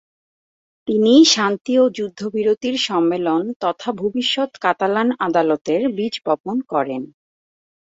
তিনিই শান্তি ও যুদ্ধবিরতির সম্মেলন, তথা ভবিষ্যৎ কাতালান "আদালতের" বীজ বপন করেন।